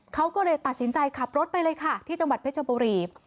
เขาก็เลยตัดสินใจขับรถไปเลยค่ะที่จังหวัดเพชรบุรี